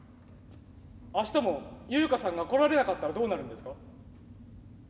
明日もユウカさんが来られなかったらどうなるんですか？